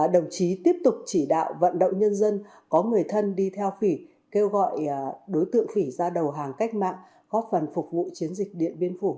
đồng chí tiếp tục chỉ đạo vận động nhân dân có người thân đi theo phỉ kêu gọi đối tượng phỉ ra đầu hàng cách mạng góp phần phục vụ chiến dịch điện biên phủ